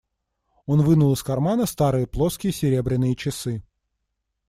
Он вынул из кармана старые плоские серебряные часы.